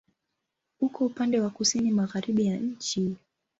Uko upande wa kusini-magharibi ya nchi.